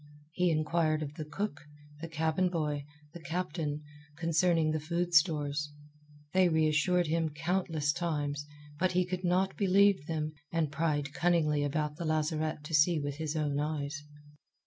He inquired of the cook, the cabin boy, the captain, concerning the food stores. They reassured him countless times; but he could not believe them, and pried cunningly about the lazarette to see with his own eyes.